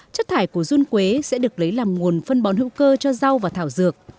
chất thải của run quế sẽ được lấy làm nguồn phân bón hữu cơ cho rau và thảo dược